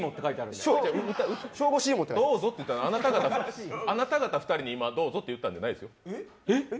どうぞって言ったの、あなた方２人に言ったんじゃないです。